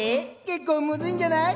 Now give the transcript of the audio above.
結構むずいんじゃない？